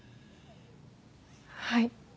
はい。